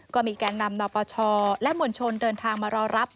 แก่นำนปชและมวลชนเดินทางมารอรับ